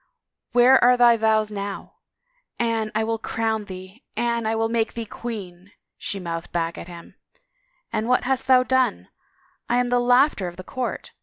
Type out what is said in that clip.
... Where are thy vows now ?* Anne, I will crown thee — Anne, I will make thee queen 1 '" she mouthed back at him. " And what hast thou done? ... I am the laughter of the court.